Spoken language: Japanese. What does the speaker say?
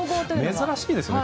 珍しいですよね